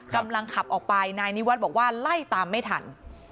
กำลังขับออกไปนายนิวัฒน์บอกว่าไล่ตามไม่ทัน